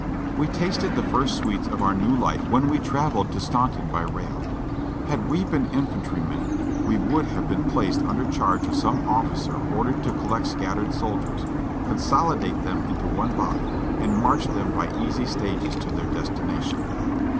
We tasted the first sweets of our new life when we traveled to Staunton by rail ; had we been infantrymen we would have been placed under charge of some of^cer ordered to collect scat tered soldiers, consolidate them into one body and march them by easy stages to their destination.